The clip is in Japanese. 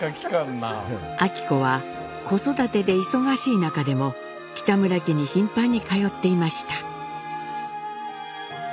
昭子は子育てで忙しい中でも北村家に頻繁に通っていました。